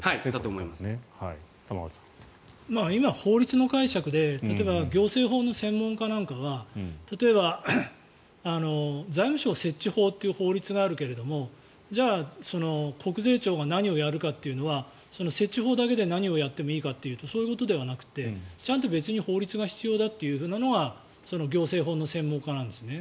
今、法律の解釈で行政法の専門家なんかは例えば、財務省設置法という法律があるけれどもじゃあ、国税庁が何をやるかっていうのは設置法だけで何をやってもいいかというとそういうことではなくてちゃんと別に法律が必要だというのが行政法の専門家なんですね。